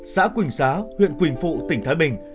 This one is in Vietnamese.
xã quỳnh xá huyện quỳnh phụ tỉnh thái bình